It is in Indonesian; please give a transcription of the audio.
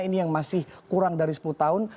ini yang masih kurang dari sepuluh tahun